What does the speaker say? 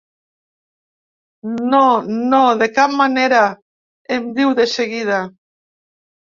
“No, no, de cap manera”, em diu de seguida.